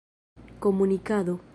komunikado